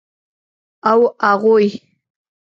او اغوئ.